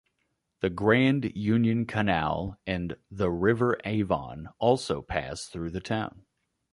The Grand Union Canal and the River Avon also pass through the town.